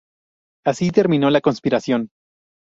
Así terminó la conspiración.